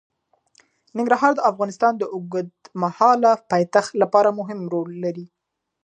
ننګرهار د افغانستان د اوږدمهاله پایښت لپاره مهم رول لري.